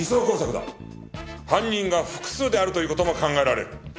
犯人が複数であるという事も考えられる。